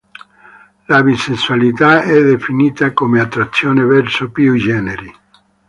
La bisessualità è definita come attrazione verso più generi.